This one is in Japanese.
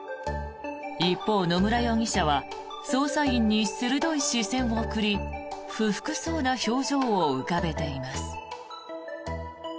一方、野村容疑者は捜査員に鋭い視線を送り不服そうな表情を浮かべています。